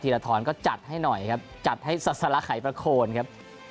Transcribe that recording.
ละทรก็จัดให้หน่อยครับจัดให้ศาสละไขประโคนครับ